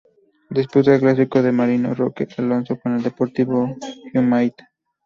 Disputa el clásico de Mariano Roque Alonso con el Deportivo Humaitá.